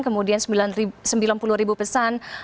kemudian sembilan puluh pesan